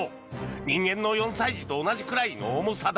人間の４歳児と同じくらいの重さだ。